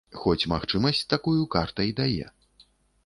Хоць магчымасць такую карта і дае.